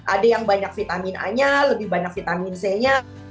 ada yang banyak vitamin a nya lebih banyak vitamin c nya